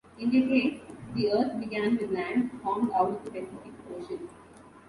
In their case the earth began with land formed out of the Pacific Ocean.